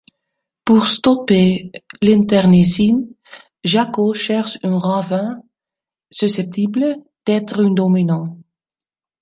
Pour stopper l'Internecine, Jack-O cherche un Raven susceptible d'être un Dominant.